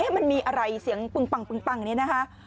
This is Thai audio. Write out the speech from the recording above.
มันมีอะไรเสียงปึงปังนี่นะคะ